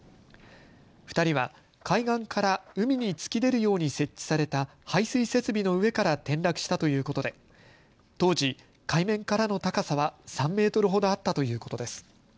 ２人は海岸から海に突き出るように設置された排水設備の上から転落したということで当時、海面からの高さは３メートルほどあったということです。